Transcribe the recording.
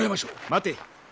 待て。